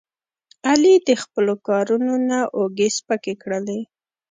علي د خپلو کارونو نه اوږې سپکې کړلې.